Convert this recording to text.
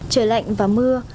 trời lạnh và mưa